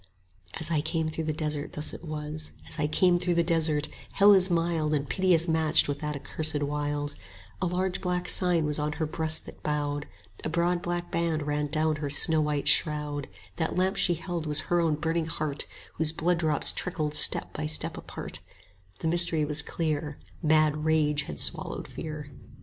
As I came through the desert thus it was, As I came through the desert: Hell is mild 80 And piteous matched with that accursed wild; A large black sign was on her breast that bowed, A broad black band ran down her snow white shroud; That lamp she held was her own burning heart, Whose blood drops trickled step by step apart: 85 The mystery was clear; Mad rage had swallowed fear.